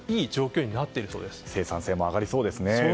生産性も上がりそうです。